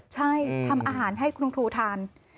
ใช่ทำอาหารให้คุณครูทาน